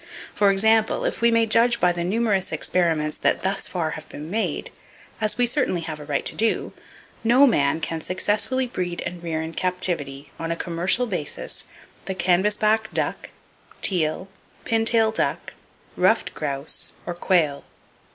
For example, if we may judge by the numerous experiments that thus far have been made,—as we certainly have a right to do,—no man can successfully breed and rear in captivity, on a commercial basis, the canvasback duck, teal, pintail duck, ruffed grouse or quail.